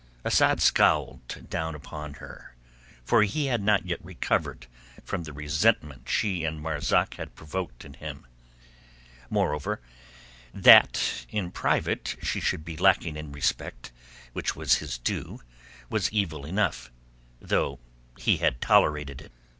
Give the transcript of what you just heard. Asad scowled down upon her, for he had not yet recovered from the resentment she and Marzak had provoked in him. Moreover, that in private she should be lacking in the respect which was his due was evil enough, though he had tolerated it.